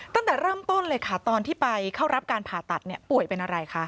ตั้งแต่เริ่มต้นเลยค่ะตอนที่ไปเข้ารับการผ่าตัดป่วยเป็นอะไรคะ